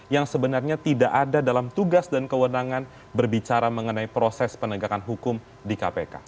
yang sebenarnya tidak ada dalam tugas dan kewenangan berbicara mengenai proses penegakan hukum di kpk